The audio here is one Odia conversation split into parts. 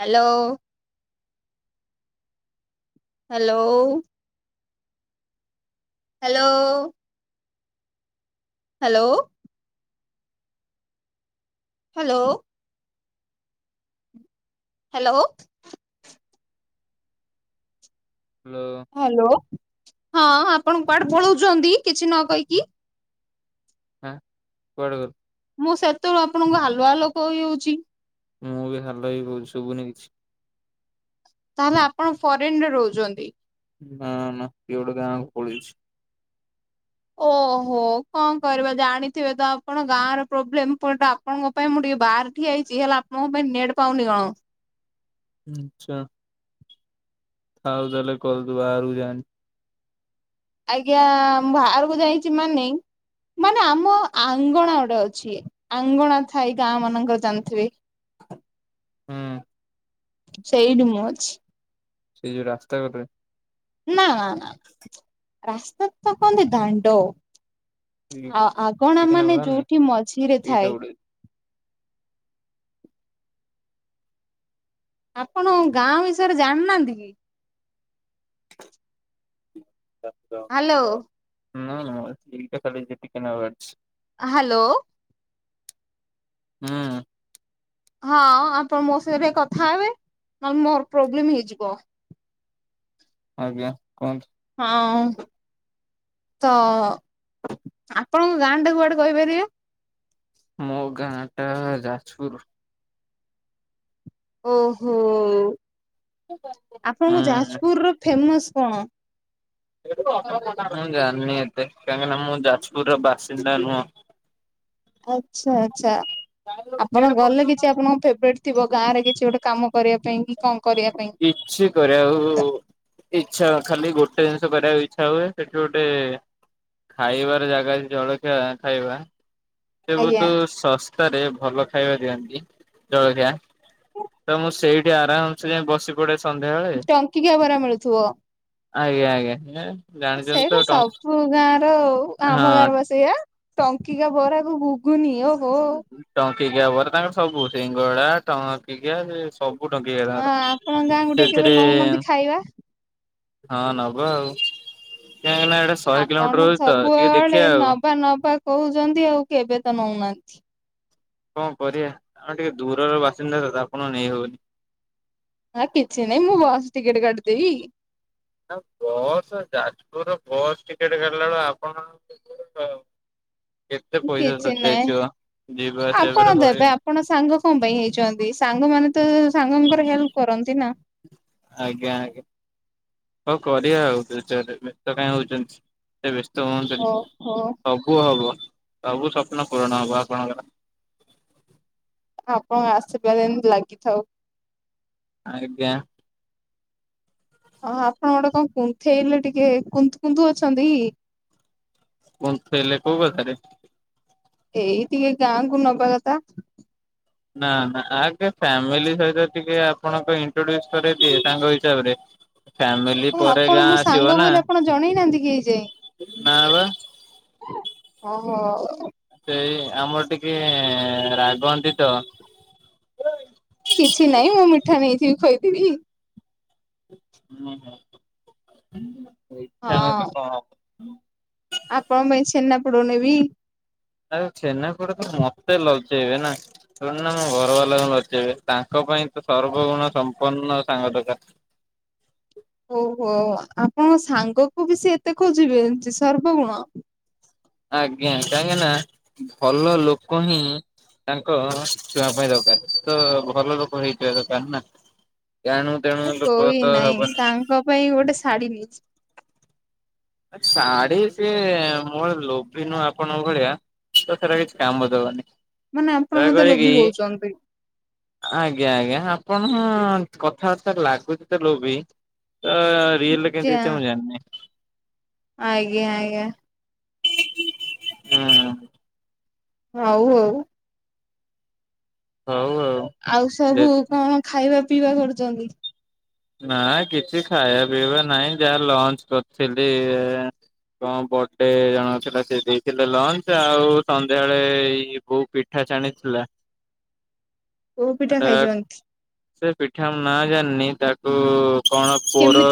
Hello. Hello. Hello. Hello. Hello. Hello. Hello. Hello ହଁ ଆପଣ କୁଆଡେ ପଳଉଛନ୍ତି କିଛି ନ କହିକି। ହଁ କୁଆଡ଼ [unintelligible] କରୁରୁ ମୁଁ ସେତେଳୁ ଆପଣଙ୍କୁ ହାଲୁଆ ଲୋକ ହେଉଛି। ମୁଁ ବି ଭଲ ବି କହୁଛି ଶୁଭୁନି କିଛି। ତାହେଲେ ଆପଣ ଫରେନ ରେ ରହୁଛନ୍ତି ହଁ ନା [unintelligible] ଏଉଟେ ଗାଁ ଖୋଳିଛି ଓହୋ କଣ କରିବା ଜାଣିଥିବେ ତ ଆପଣ ଗାଁର ପ୍ରୋବ୍ଲେମ, ପଟା ଆପଣଙ୍କ ପାଇଁ ମୁଁ ଟିକେ ବହାର ଠିଆ ହେଇଛି ହେଲା, ଆପଣଙ୍କ ପାଇଁ ନେଡ୍ ପାଉନି କଣ ଆଚଛା। ଆଥାଉ ତାହେଲେ କରିଦବୁ ବାହାରକୁ ଯା ଆଜ୍ଞା ମୁଁ ବାହାରକୁ ଯାଇଛି ମାନେ ମାନେ ଆମ ଅଙ୍ଗଣା ଗୋଟେ ଅଛି, ଅଙ୍ଗଣା ଥାଇ ଗାଁ ମାନଙ୍କର ଜାଣିଥିବେ। [inaudible] ହୁଁ ସେଇଠି ମୁଅଛି ସେଇ ଯୋଉ ରାସ୍ତା କୋଟରେ? ନା, ନା, ନା, ରାସ୍ତା ତ କନ୍ତି ଦାଣ୍ଡ। ଆଉ ଆଗଣା ଟିକେନାକୁ ମାନେ ବାହାରିନି ଯୋଉଠି ମଝିରେ ଏଇଟା ଥାଏ। ଗୋଟେ ଆପଣ ଗାଁ ବିଷୟରେ ଜାଣିନାହାନ୍ତି କି? [inaudible] ହ୍ୟାଲୋ ହୁଁ [unintelligible] ହ୍ୟାଲୋ ହୁଁ ହଁ ଆପଣ ମୋ ସହିତ ଟ କଥା ହେବେ, ନହେଲେ ମୋର ପ୍ରୋବ୍ଲେମ ହେଇଯିବ। ଆଜ୍ଞା କୁହନ୍ତୁ? ହଁ ତ, ଆପଣଙ୍କ ଗାଁ ଟା କୁଆଡେ କହିପାରିବେ? ମୋ ଗାଁ ଟା ଯାଜପୁର ଓହୋ, ଆପଣଙ୍କୁ ହୁଁ। ଯାଜପୁର ର ଫେମସ କଣ? ମୁଁ ଜାଣିନି ଏତେ କାହିଁକିନା ମୁଁ ଯାଜପୁର ର ବାସିନ୍ଦା ନୁହଁ। ଆଚ୍ଛା, ଆଛା, ଆପଣ ଗଲେ କିଛି ଆପଣଙ୍କ ଫେବ୍ରେଟ ଥିବ, ଗାଁ ରେ କିଛି ଗୋଟେ କାମ କରିବା ପାଇଁ, କି କଣ କରିବା ପାଇଁ। କିଛି କରେ ଆଉ ଇ୍ଛା ଖାଲି ଗୋଟେ ଜିନିଷ କରିବାକୁ ଇଚଛା ହୁଏ, ସେଠି ଗୋଟେ ଖାଇବାର ଜାଗା ଜଳଖିଆ ଖାଇବା, ସେ ଆଜ୍ଞା ବହୁତ ଶସ୍ ରାସ୍ତାରେ ଭଲ ଖାଇବା ଦିଅନ୍ତି, ଜଳଖିଆ, ତ ମୁଁ ସେଇଠି ଆରାମ ସେ ଯାଇ ବସି ପଡେ ସନ୍ଧ୍ୟାବେଳେ, ଟଙ୍କିକିଆ ବରା ମିଳୁଥିବ। ଆଜ୍ଞା, ଆଜ୍ଞା। ଜାଣିଛନ୍ତି ସେଇଟା ତ ଟଙ୍କ ସବୁ ଗାଁ ର, ହଁ ଆମ ଗାଁରେ ବ ସେଇଆ। ଟଙ୍କିକା ବରାକୁ ଗୁନି ଓହୋ [unintelligible] ଟଙ୍କିକିଆ ପରେ ତାଙ୍କର ସବୁ ସିଙ୍ଗଡ଼ା ଟଙ୍କିଆ ସବୁ କଟ କେ ହଁ ଆପଣଙ୍କ ଗାଁକୁ ଟିକେ କେବେ ସେଥିରେ ନଉନାହାନ୍ତି ଖାଇବା। ହଁ ନବ ଆଉ, କକନା ଏଡା ଆପଣ ସବୁବେଳେ ନବା ନବା କହୁଛନ୍ତି ଆଉ କେବେ ତ ନଉନାହାନ୍ତି କଣ କରିବା, ଆମେ ଟିକେ ଦୂରର ବାସିନ୍ଦା ଆପଣ ନେଇ ହଉନି। ହଁ କିଛି ନାଇଁ, ମୁଁ ବସ ଟିକେଟ କାଟିିଦେବି। ନା ବସ୍, ଯାଜପୁର ର ବସ୍, ଟିକେଟ କାଟିଲା ବଳୁ ଆପଣ କେତେ ପଇସା କିଛି ନାଇଁ। ଦେଇେଇଥିବ, ଯିବା ଆପଣ ସେପ ଦେବେ କହିବ ଆପଣ ସାଙ୍ଗ କଣ ପାଇଁ ହେଇଛନ୍ତି? ସାଙ୍ଗ ମାନେ ତ ସାଙ୍ଗଙ୍କର ହେଲ୍ପ କରନ୍ତି ନା। ଆଜ୍ଞା, ଆଜ୍ଞା, ହଉ କରିବା ଆଉ ଦୁ ତ କାଇଁ ହଉଛନ୍ତି? ସେ ବ୍ୟସ୍ତ ହୁଅନ୍ତିନି ଓହୋ ସବୁ ହବ ସବୁ ସ୍ୱପ୍ନ ପୂରଣ ହବ ଆପଣଙ୍କର। ଆପଣଙ୍କ ଆଶୀର୍ବାଦ ଏମିତି ଲାଗିଥାଉ। ଆଜ୍ଞା ଓ ଆପଣ ଗୋଟେ କଣ କୁନ୍ଥେଇଲେ ଟିକେ କୁୁ କୁଥୁ ଅଛନ୍ତି କି କୁନ୍ଥେଇଲେ କୋଉ କଥା ରେ ଏଇ ଟିକେ ଗାଁ କ ନବା କଥା। ନା ନା ଆଗେ ଫ୍ୟାମିଲି ସହିତ ଟିକେ ଆପଣଙ୍କ ଇଣ୍ଟ୍ରୋଡୁସ କରରେ ଦିଏ ସାଙ୍ଗ ହିସାବରେ। ଫ୍ୟାମିଲି ଓ ପରେ ଆପଣ ଗାଁ ମୋ ଆସିବ। ସାଙ୍ଗ ନା ବୋଲି ଆପଣ ଜଣେଇ ନାହାନ୍ତି କି ନା ବା ଓ ହୋ ସେଇ ଆମର ଟିକେ ରାଗନ୍ତି ତ କିଛି ନହିଁ ମୁଁ ମିଠା ନେଇଥିବି ଖୁଏଇ ଦେବି ହୁଁ ହଁ ମିଠା ନେଲେ କଣ ଆପଣଙ୍କ ପାଇଁ ଛେନାପୋଡ଼ ନେବି। ଆ ଛେନାପଡା ତ ମତେ ଲଚେଇବେ ନା ଶଣ ନା ମୁଁ ଘର ବାଲା ଲଚେଇବି ତାଙ୍କ ପାଇଁ ତ ସର୍ବଗୁଣ ସମ୍ପନ୍ନ ସାଙ୍ଗ ଦରକାର। ଓ ହୋ ଆପଣଙ୍କ ସାଙ୍ଗକୁ ବି ସେ ଏତେ ଖୋଜିବେ ଯେ ସର୍ବଗୁଣ। ଆଜ୍ଞା କାହିଁକ ନା ଭଲ ଲୋକ ହିଁ ତାଙ୍କ ଛୁଆ ପାଇଁ ଦରକାର। ତ ଭଲ ଲୋକ ହେଇଥିବା ଦରକାର ନା। କାଣୁ କ ନାଇଁ ତାଙ୍କ ପାଇଁ ଗୋଟେ ଶାଢୀ ନେଇଛି ଶାଢୀ ସି ମୋ ଲୋଭି ନୁହଁ ଆପଣଙ୍କ ଭଳିଆ ତ ସେଟା କିଛି କାମ ଦବନି ମାନେ ଆପଣ ମତେ ଦୟାକରି କି ଲୋଭିି କହୁଛନ୍ତି। ଆଜ୍ଞା ଆଜ୍ଞା ଆପଣ କଥାବାର୍ତ୍ତା ଲାଗୁଛି ତ ଲୋଭୀ ତ ରିୟଲ କେମିତି ଆଜ୍ଞା ହେଇଥିବା ମୁଁ ଜାଣିନି ଆଜ୍ଞା ଆଜ୍ଞା ହୁଁ ହୁଁ ହଉ ଆଉ ହଉ ଆଉ ଆଉ ଦେ ସବୁ କଣ ଖାଇବା ପିଇବା କରୁଛନ୍ତି। ନା କିଛି ଖାଇବା ପିଇବା ନାହିଁ ଯାହା ଲଞ୍ଚ କରିଥିଲି। କଣ ବର୍ଥଡେ ଜଣ ଥିଲା ସେ ଦେଇଥିଲେ ଲଞ୍ଚ ଆଉ ସନ୍ଧ୍ୟାବେଳେ ଏଇ ବୋଉ ପି ଠା ଛାଣି ଥିଲା କୋଉ ପିଠା ଖାଇଛନ୍ତିଛନ୍ତି? ସେ ପିଠା ମୁଁ ନା ଜାଣିନି ତାକୁ କଣ ପୋଡ଼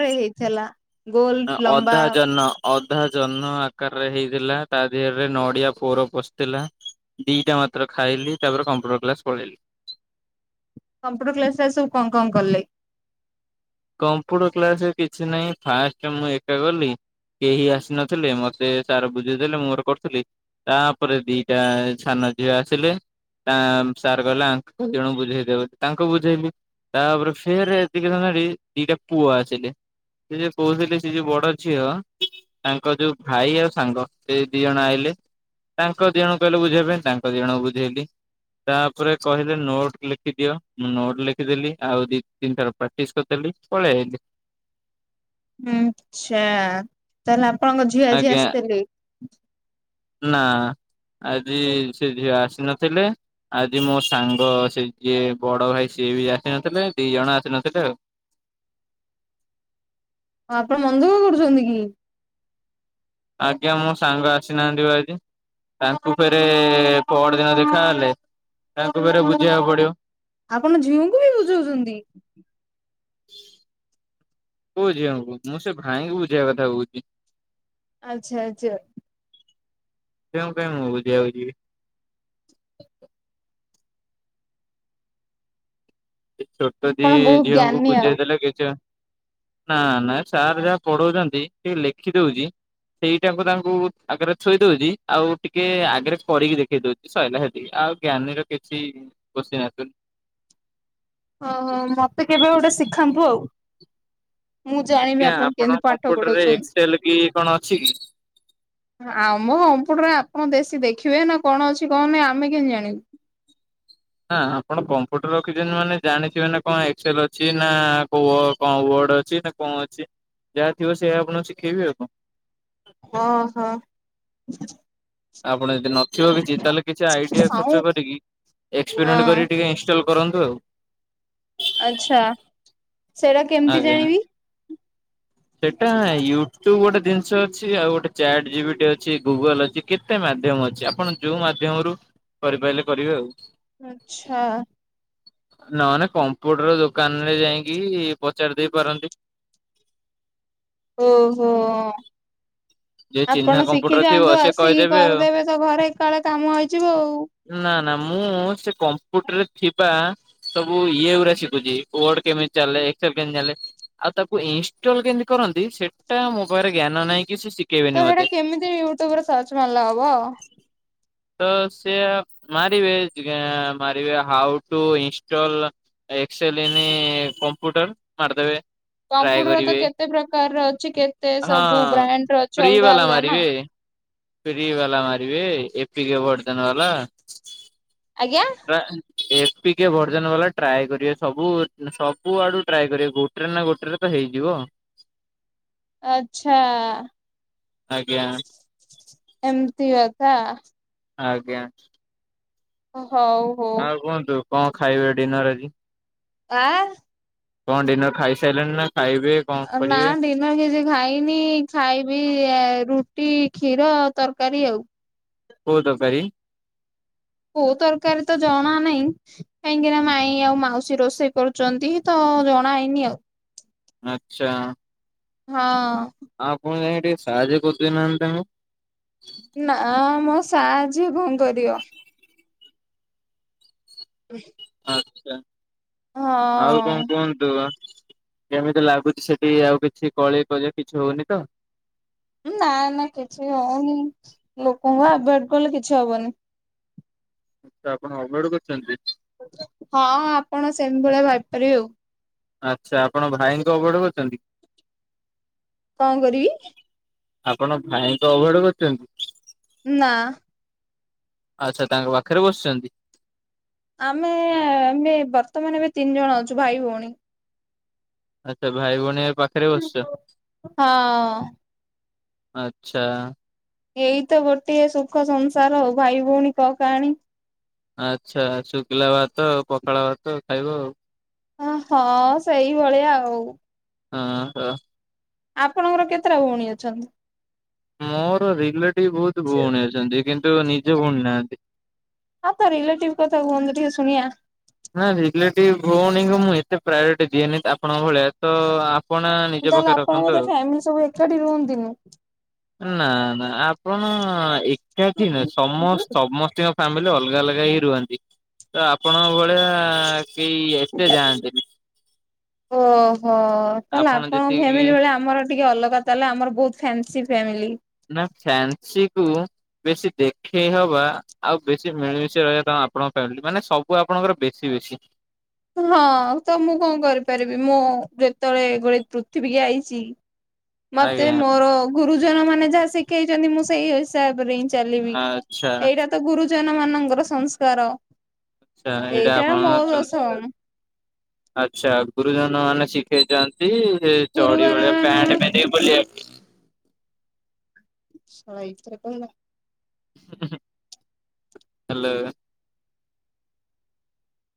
ରେ ହେଇଥିଲା। ଗୋଲ ଅଧା ଲମ୍ବା ଜନ୍ହ ଅଧା ଜହ୍ନ ଆକାରରେ ହେଇଥିଲା ତା ଦେହରେ ନଡିଆ ପୋର ପଶଥିଲା ଦିଇଟା ମାତ୍ର ଖାଇଲି ତାପରେ କମ୍ପ୍ୟୁଟର କ୍ଲାସ ପଳେଇଲି। କମ୍ପ୍ୟୁଟର କ୍ଲାସରେ ଆଜି ସବୁ କଣ କଣ କଲେ? କମ୍ପୁଟର କ୍ଲାସରେ କିଛି ନାହିଁ ଫାଷ୍ଟ ମୁଁ ଏକା ଗଲି କେହି ଆସିନଥିଲେ। ମତେ ସାର ବୁଝେଇଦେଲେ ମୁଁ ମୋର କରୁଥିଲି। ତାପରେ ଦିଟା ଛାନ ଝିଅ ଆସିଲେ ତା ସାର୍ କହିଲେ ଆଙ୍କ ଦିଜଣ ବୁଝେଇଦେ ତାଙ୍କୁ ବୁଝେଇଲି। ତାପରେ ଫେର ଏଦ ଦିଇଟା ପୁଅ ଆସିଲେ। ସେ ଯ କହୁଥିଲେି ସେ ଯୋଉ ବଡ ଝିଅ ତାଙ୍କ ଯୋଉ ଭାଇ ଆଉ ସାଙ୍ଗ ସେ ଦି ଜଣ ଆଇିଲେ। ତାଙ୍କ ଦିଅଣଙ୍କୁ କହିଲେ ବୁଝେଇବା ପାଇଁ ତାଙ୍କ ଦିଅଣଙ୍କୁ ବୁଝେଇଲି। ତାପରେ କହିଲେ ନୋଟ ଲେଖିଦିଅ ମୁଁ ନୋଟ ଲେଖିଦେଲି ଆଉ ଦି ତିନିଥର ପ୍ରାକ୍ଟିସ୍ କରି କରି ଦେଲି ପଳେଇ ଆଇଲି। ହୁଁ ଆଛା ତାହେଲେ ଆପଣଙ୍କ ଝିଅ ଆଜି ଆଜ୍ଞା ଆସିଥିଲେ? ନା ଆଜି ସେ ଝିଅ ଆସିନଥିଲେ। ଆଜି ମୋ ସାଙ୍ଗ ସେ ଯିଏ ବଡ ଭାଇ ସିଏ ବି ଆସିନଥିଲେ ଦି ଜଣ ଆସିନଥିଲେ ଆଉ। ହଁ ଆପଣ ମନ ଦୁଃଖ କରୁଛନ୍ତି କି? ଆଜ୍ଞା ମୋ ସାଙ୍ଗ ଆସିନାହାନ୍ତି ପା ଆଜି। ତାଙ୍କୁ ଫେରେ ପହରଦିନ ଦେଖାହେଲେ ତାଙ୍କୁ ଫେରେ ବୁଝେଇବାକୁ ପଡିବ। ଆପଣ ଝିଅଙ୍କୁ ବି ବୁଝଉଛନ୍ତି? କୋଉ ଝିଅଙ୍କୁ ମୁଁ ସେ ଭାଇଙ୍କୁ ବୁଝେଇବା କଥା କହୁଛି। ଆଚ୍ଛା ଆଚ୍ଛା। ଝିଅଙ୍କୁ କାଇଁ ମୁଁ ବୁଝେଇବାକୁୁ ଯିବି। ଛୋଟ ଦି ଆପଣ ବହୁତ ଝିଅଙ୍କୁ ଜ୍ଞାନୀ ଆଉ। ବୁଝେଇ ଦେଲେ କିଛି ନା ନା ସାର୍ ଯାହା ପଢଉଛନ୍ତି ଟିକେ ଲେଖି ଦଉଛି। ସେଇଟାଙ୍କୁ ତାଙ୍କୁ ଆଗରେ ଥୋଇ ଦଉଛି ଆଉ ଟିକେ ଆଗରେ କରିକି ଦେଖେଇ ଦଉଛି। ସରିଲା ହେତିକି ଆଉ ଜ୍ଞାନୀର କିଛି ଖୁସି ନଥୁନ ଓହୋ ମତେ କେବେ ଗୋଟେ ଶିଖାନ୍ତୁ ଆଉ। ମୁଁ ଜାଣିବି ଆଜ୍ଞା ଆପଣ କେମିତି ପାଠ କମ୍ପ୍ୟୁଟରରେ ପଢଉଛନ୍ତି। ଏକ୍ସେଲ କି କଣ ଅଛି କି ଆମ କମ୍ପୁଟରେ ଆପଣ ଦେଶୀ ଦେଖିବେ ନା କଣ ଅଛି କଣ ନାହିଁ ଆମେ କେମିତି ଜାଣିବୁ। ନା ଆପଣ କମ୍ପ୍ୟୁଟର ରଖିଛନ୍ତି ମାନେ ଜାଣିଥିବେ ନା କଣ ଏକ୍ସେଲ୍ ଅଛି ନା କୋଉ କଣ ୱାର୍ଡ଼ ଅଛି କଣ ଅଛି ଯାହାଥିବ ସେଇା ଆପଣ ଶିଖେଇବି ଆଉ କଣ। ଓହୋ। ଆପଣ ଯଦି ନଥିବ କିଛି ତାହେଲେ କିଛି ଆଇଡିଆ ଆଉ ଖର୍ଚ୍ଚ କରିକି ହଁ ଏକ୍ସପେରିମେଣ୍ଟ କରି ଟିକେ ଇନଷ୍ଟଲ କରନ୍ତୁ ଆଉ। ଆଛା ସେଇରା କେମିତି ଜାଣିବି। ସେଇଟା ୟୁଟ୍ୟୁବ ଗୋଟେ ଜିନିଷ ଅଛି ଆଉ ଗୋଟେ ଚାଟ୍ ଜିପିଟି ଅଛି ଗୁଗଲ ଅଛି କେତେ ମାଧ୍ୟମ ଅଛି ଆପଣ ଯୋଉ ମାଧ୍ୟମରୁ କରିପାରିଲେ କରିବେ ଆଉ। ଆଚ୍ଛା। ନହେଲେ କମ୍ପୁଟର ଦୋକାନରେ ଯାଇକି ପଚାରି ଦେଇ ପାରନ୍ତି। ଓହୋ। ଯେ ଚିହ୍ନା ଆପଣ କମ୍ପ୍ୟୁଟର ଥିବ ଶିଖିଯାଆନ୍ତୁ ସେ ଆସିକି କହିଦେବେ ଆଉ କରିଦେବେ ତ ଘରେ ଏକାଳେ କାମ ହେଇଯିବ ଆଉ। ନା ନା ମୁଁ ସେ କମ୍ପ୍ୟୁଟରରେ ଥିବା ସବୁ ଇଏ ଗୁଡା ଶିଖୁଛି କୋଡ କେମିତି ଚାଲେ ଏକ୍ସେଲ କେମିତି ଚାଲେ। ଆଉ ତାକୁ ଇନଷ୍ଟଲ କେମିତି କରନ୍ତି ସେଟା ମୋ ପାଖରେ ଜ୍ଞାନ ନାଇଁ କିଛି ସି ତ ସେଇଟା କେମିତି ୟୁଟ୍ୟୁବ ରେ ସର୍ଚ୍ଚ ମାରିଲେ ହବ। ତ ସେ ମାରିବେ ମାରିବେ how to install Excel in computer ମାରିଦେବେ। କମ୍ପୁଟର ତ କେତେ ପ୍ରକାରର ଅଛି କେତେ ସବୁ ବ୍ରାଣ୍ଡ ର ଅଛି ଅଲଗା ଅଲଗା ନା। ଫ୍ରୀ ବାଲା ମାରିବେ ଏପିକେ ବର୍ଜନ ବାଲା। ଆଜ୍ଞା! ଏପିକେ ଭର୍ଜନ ବାଲା ଟ୍ରାଏ କରିବେ ସବୁ ସବୁ ଆଡୁ ଟ୍ରାଏ କରିବେ ଗୋ ଗୋଟରେ ନା ଗୋଟେରେ ତ ହେଇଯିବ। ଆଚ୍ଛା, ଆଜ୍ଞା ଏମତି କଥା। ଆଜ୍ଞା। ହଉ। ହଉ। ଆଉ କୁହନ୍ତୁ କଣ ଖାଇବେ ଡିନର ଆଜି? ଆ କଣ ଡିନର ଖାଇସାରିଲେଣି ନା ଖାଇବେ? କଣ ନାଁ କରିବେ ଡି ନାଁ କିଛି ଖାଇନି ଖାଇବି ରୁଟି କ୍ଷୀର ତରକାରୀ ଆଉ। କୋଉ ତରକାରୀ? କୋଉ ତରକାରୀ ତ ଜଣା ନାହିଁ କାହିଁକି ନା ମାଇଁ ଆଉ ମାଉସୀ ରୋଷେଇ କରୁଛନ୍ତି ତ ଜଣା ହେଇନି ଆଉ ଆଛା ହଁ। ଆପଣ ଯାଇକି ଟିକେ ସାହାଯ୍ୟ କରୁଦଉନାହାନ୍ତି ତାଙ୍କୁ ନା ମ ସାହାଯ୍ୟ କଣ କରିଅ ଉଁ ଆଚ୍ଛା ଆଉ କଣ କୁହନ୍ତୁ ବା। କେମିତି ଲାଗୁଛି ସେଠି ଆଉ କିଛି କଳି କଜିଆ କିଛି ହଉନି ତ? ନା ନା କିଛି ହଉନି ଲୋକଙ୍କୁ ଆଭେଡ କଲେ କିଛି ହବନି। ତ ଆପଣ ଆଭଏଡ୍ କରୁଛନ୍ତି? ହଁ ହଁ ଆପଣ ସେମିତି ଭଳିଆ ଭାବିପାରିବେ ଆଉ। ଆଚ୍ଛା ଆପଣ ଭାଇଙ୍କୁ ଆଭଏଡ୍ କରୁଛନ୍ତି? କଣ କରିବି? ଆପଣ ଭାଇଙ୍କୁ ଆଭଏଡ କରୁଛନ୍ତି? ନା। ଆଚ୍ଛା ତାଙ୍କ ପାଖରେ ବସିଛନ୍ତି? ଆମେ ଆମେ ବର୍ତ୍ତମାନ ଏବେ ତିନି ଜଣ ଅଛୁ ଭାଇ ଭଉଣୀ। ଆଚ୍ଛା ଭାଇ ଭଉଣୀ ଏବେ ପାଖରେ ବସିଛ? ହଁ ଆଚ୍ଛା। ଏଇ ତ ଗୋଟେ ସୁଖ ସଂସାର ଆଉ ଭାଇ ଭଉଣୀ କହ କାହାଣୀ। ଆଚ୍ଛା ଶୁଖିଲା ଭାତ ପଖାଳ ଭାତ ଖାଇବ ଆଉ। ଆ ହଁ ସେଇଭଳିଆ ଆଉ। ହଁ ହ। ଆପଣଙ୍କର କେତେଟା ଭଉଣୀ ଅଛନ୍ତି? ମୋର ରିଲେଟିଭ ବହୁତ ଭଉଣୀ ଅଛନ୍ତି କିନ୍ତୁ ନିଜ ଭଉଣୀ ନାହାନ୍ତି। ହଁ ତ ରିଲେଟିଭ କଥା କୁହନ୍ତୁ ଟିକେ ଶୁଣିଆ। ନା ରିଲେଟିଭ ଭଉଣୀଙ୍କୁ ମୁଁ ଏତେ ପ୍ରାୟୋରିଟି ଦିଏନି ଆପଣଙ୍କ ଭଳିଆ ତ ଆପ ତାହେଲେ ଆପଣ ବୋଧେ ଫ୍ୟାମିଲି ସବୁ ଏକାଠି ରୁହନ୍ତିନି? ନା ନା ଆପଣ ଏକାଠି ଓହୋ ନୁହଁ ସମ ସମସ୍ତିଙ୍କ ଫ୍ୟାମିଲି ଅଲଗା ଅଲଗା ହେଇ ରୁହନ୍ତି, ତ ଆପଣଙ୍କ ଭଳିଆ କେହି ଏତେ ଯାଆନ୍ତିନି। ଓହୋ। ତାହେଲେ ଆପଣ ଆପଣଙ୍କ ଯେତିକି ଫ୍ୟାମିଲି ଭଳିଆ ଆମର ଟିକେ ଅଲଗା ତାହେଲେ ଆମର ବହୁତ ଫ୍ୟାନ୍ସି ଫ୍ୟାମିଲି। ନା ଫ୍ୟାନ୍ସି କୁୁ ବେଶୀ ଦେଖେଇ ହବା ଆଉ ବେଶୀ ମିଳିମିଶି ରହିବା କାମ ଆପଣଙ୍କ ଫ୍ୟାମିଲୀ, ମାନେ ସବୁ ଆପଣଙ୍କର ବେଶୀ ବେଶୀ। ହଁ ତ ମୁଁ କଣ କରିପାରିବି ମୁଁ ଯେତେବେଳେ ଗୋଟେ ପୃଥିବୀକୁ ଆଇଛି ମତେ ଆଜ୍ଞା। ମୋର ଗୁରୁଜନ ମାନେ ଯାହା ଶିଖେଇଛନ୍ତି ମୁଁ ସେଇ ହିସାବରେ ହିଁ ଚାଲିବି ଆଚ୍ଛା ଏଇଟା ତ ଗୁରୁଜନ ମାନଙ୍କର ସଂସ୍କାର। ଆଛା ଏଇଟା ଆପଣଙ୍କ ସଂସ୍କାର! ଆଚ୍ଛା ଗୁରୁଜନମାନେ ଶିଖେଇଛନ୍ତି ଯେ ଚଡି ଗୁରୁବାର ଭଳିଆ ପ୍ୟାଣ୍ଟ ପିନ୍ଧିକି ବୁଲିଆକୁ? ଶଳା ଏଇଥିରେ କହିଲା। ହୁଁ ହୁଁ ହେଲୋ।